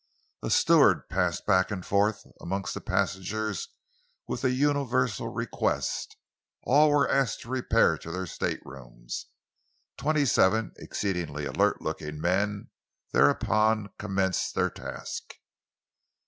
A steward passed back and forth amongst the passengers with a universal request all were asked to repair to their staterooms. Twenty seven exceedingly alert looking men thereupon commenced their task.